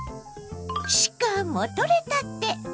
しかもとれたて。